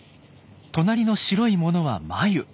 隣の白いものは繭。